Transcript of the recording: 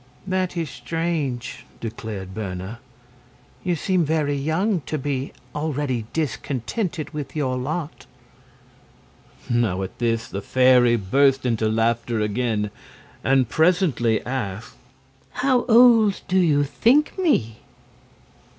"That is strange," declared Berna. "You seem very young to be already discontented with your lot." Now at this the fairy burst into laughter again, and presently asked: "How old do you think me?"